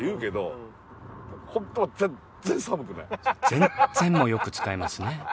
「全然」もよく使いますね。